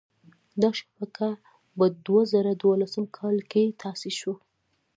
دا شبکه په دوه زره دولسم کال کې تاسیس شوه.